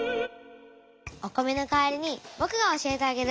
お米の代わりにぼくが教えてあげる。